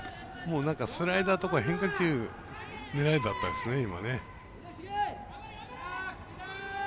スライダーとか変化球狙いだったんですね、今。